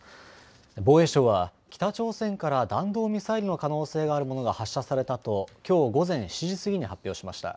防衛省は北朝鮮から弾道ミサイルの可能性があるものが発射されたときょう午前７時過ぎに発表しました。